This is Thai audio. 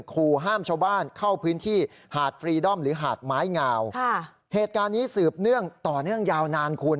ขู่ห้ามชาวบ้านเข้าพื้นที่หาดฟรีดอมหรือหาดไม้งาวค่ะเหตุการณ์นี้สืบเนื่องต่อเนื่องยาวนานคุณ